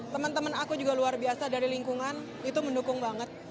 teman teman aku juga luar biasa dari lingkungan itu mendukung banget